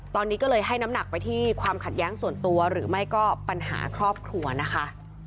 ตอนนี้ก็เลยให้น้ำหนักไปที่ความขัดแย้งส่วนตัวหรือไม่ก็ปัญหาครอบครัวนะคะ